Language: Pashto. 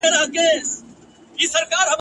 چا په ساندو چا په سرو اوښکو ژړله ..